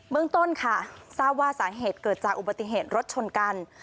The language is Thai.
เมืองต้นค่ะทราบว่าสาเหตุเกิดจากอุบัติเหตุรถชนกัน